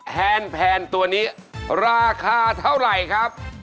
แฮนแพนตัวนี้ราคาเท่าไหร่ครับ